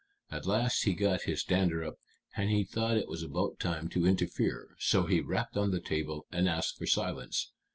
At last he got his dander up, and he thought it was about time to interfere, so he rapped on the table, and asked for silence.